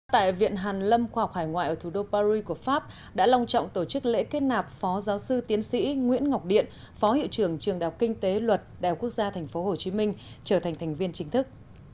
tại viện hàn lâm khoa học hải ngoại ở thủ đô paris của pháp đã long trọng tổ chức lễ kết nạp phó giáo sư tiến sĩ nguyễn ngọc điện phó hiệu trưởng trường đại học kinh tế luật đại học quốc gia tp hcm trở thành thành viên chính thức